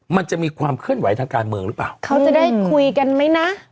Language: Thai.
มันจะมีความเคลื่อนไหวทางการเมืองหรือเปล่าเขาจะได้คุยกันไหมนะ